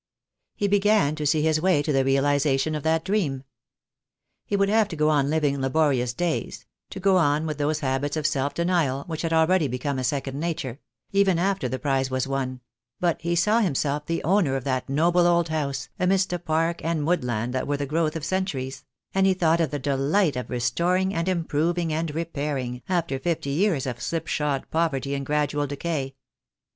He began to see his way to the realization of that dream. He would have to go on liv ing laborious days — to go on with those habits of self denial which had already become a second nature — even after the prize was won; but he saw himself the owner of that noble old house, amidst a park and woodland that were the growth of centuries; and he thought of the THE DAY WILL COME. 2\\ delight of restoring and improving and repairing, after fifty years of slipshod poverty and gradual decay.